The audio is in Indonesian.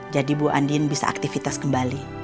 jadi bu andien bisa aktivitas kembali